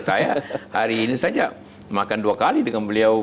saya hari ini saja makan dua kali dengan beliau